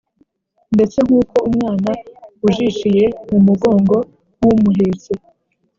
ndetse nk' uko umwana ujishiye mu mugongo w' umuhetse,